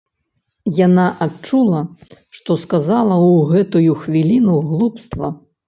Яна адчула, што сказала ў гэтую хвіліну глупства.